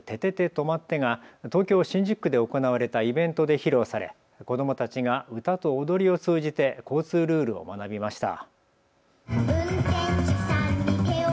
とまって！が東京新宿区で行われたイベントで披露され子どもたちが歌と踊りを通じて交通ルールを学びました。